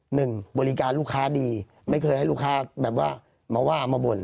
หนึ่งบริการลูกค้าดีไม่เคยให้ลูกค้าแบบว่ามาว่ามาบ่น